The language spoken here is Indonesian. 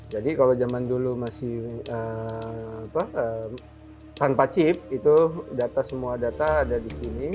jadi kalau zaman dulu masih tanpa chip itu data semua data ada di sini